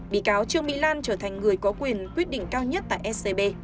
bị cáo trương mỹ lan trở thành người có quyền quyết định cao nhất tại scb